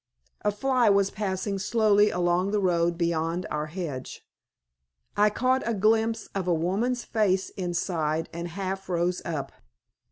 A fly was passing slowly along the road beyond our hedge. I caught a glimpse of a woman's face inside, and half rose up.